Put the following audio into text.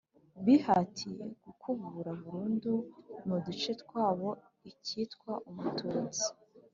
bihatiye gukubura burundu mu duce twabo ikitwa Umututsi